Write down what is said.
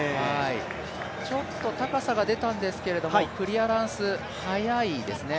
ちょっと高さが出たんですけどクリアランス、早いですね